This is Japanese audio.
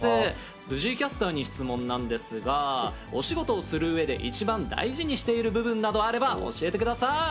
藤井キャスターに質問なんですが、お仕事をするうえで、一番大事にしている部分などあれば教えてください。